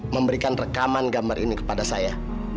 memberikan rekaman gambar ini kepada saya